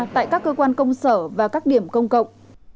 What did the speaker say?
tại các cơ quan công sở và các điểm công cộng